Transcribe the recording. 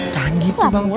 jangan gitu bang wil